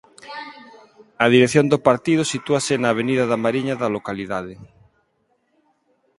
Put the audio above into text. A dirección do partido sitúase na Avenida da Mariña da localidade.